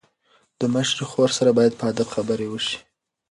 د مشرې خور سره باید په ادب خبرې وشي.